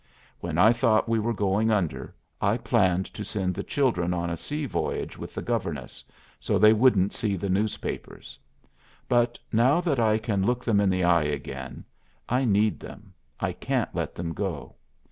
When I thought we were going under I planned to send the children on a sea voyage with the governess so they wouldn't see the newspapers. But now that I can look them in the eye again, I need them, I can't let them go.